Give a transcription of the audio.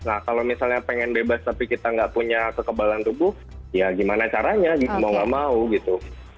nah kalau misalnya pengen bebas tapi kita nggak punya kekebalan tubuh ya gimana caranya gitu mau gak mau gitu